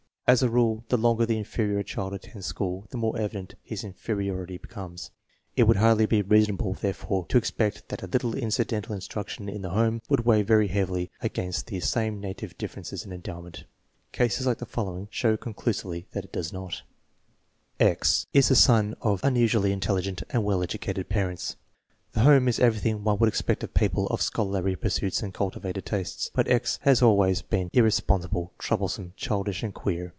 As a rule, the longer the inferior child attends school, the more evident his inferi ority becomes. It would hardly be reasonable, therefore, to expect that a little incidental instruction in the home would weigh very heavily against these same native differ RELIABILITY OP THE METHOD 117 ences in endowment. Cases like the following show conclu sively that it does not : X is the son of unusually intelligent and well educated parents. The home is everything one would expect of people of scholarly pursuits and cultivated tastes. But X has always been irresponsi ble, troublesome, childish, and queer.